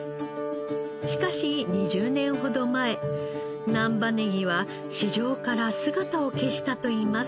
しかし２０年ほど前難波ネギは市場から姿を消したといいます。